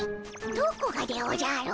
どこがでおじゃる。